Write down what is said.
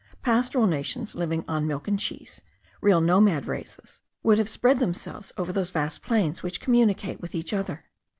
Pastoral nations living on milk and cheese, real nomad races, would have spread themselves over those vast plains which communicate with each other.